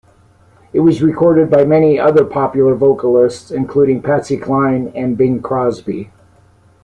It was recorded by many other pop vocalists, including Patsy Cline and Bing Crosby.